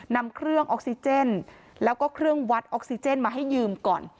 นำเครื่องออกซิเจนแล้วก็เครื่องวัดออกซิเจนมาให้ยืมก่อน